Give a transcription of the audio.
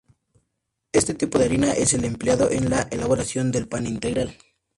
Este tipo de harina es el empleado en la elaboración del pan integral.